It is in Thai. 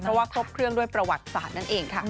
เพราะว่าครบเครื่องด้วยประวัติศาสตร์นั่นเองค่ะ